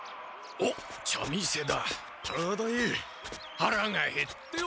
はらがへっては。